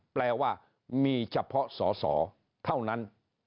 แปลว่ามีเฉพาะสอสอเท่านั้น